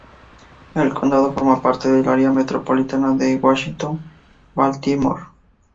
El condado forma parte del Área metropolitana de Washington-Baltimore.